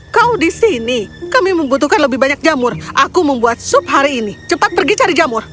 kau di sini kami membutuhkan lebih banyak jamur aku membuat sup hari ini cepat pergi cari jamur